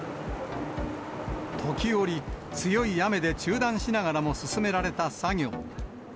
時折、強い雨で中断しながらも進められた作業。